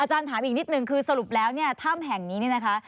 อาจารย์ถามอีกนิดนึงคือสรุปแล้วถ้ำแห่งนี้